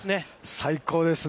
◆最高ですね。